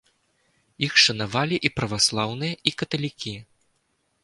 Іх шанавалі і праваслаўныя, і каталікі.